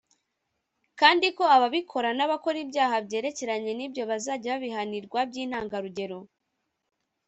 kandi ko ababikora n’abakora ibyaha byerekeranye n’ibyo bazajya babihanirwa by’intangarugero